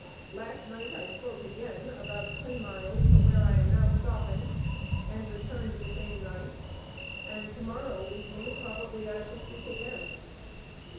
Last night I spoke again, about ten miles from where I am now stopping, and returned the same night, and to morrow evening probably I shall speak again.